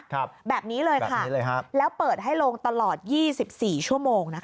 ครับแบบนี้เลยค่ะแล้วเปิดให้ลงตลอดยี่สิบสี่ชั่วโมงนะคะ